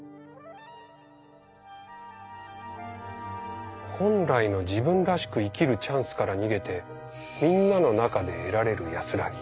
それは本来の自分らしく生きるチャンスから逃げてみんなの中で得られる安らぎ。